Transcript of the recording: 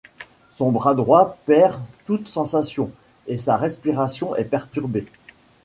Son bras droit perd toute sensation, et sa respiration est perturbée.